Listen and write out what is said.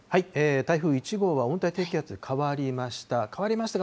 台風１号は温帯低気圧に変わりました。